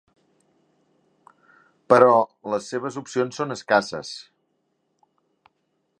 Però les seves opcions són escasses.